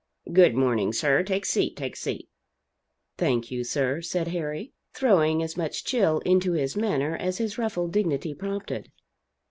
"Good morning, sir; take a seat take a seat." "Thank you sir," said Harry, throwing as much chill into his manner as his ruffled dignity prompted.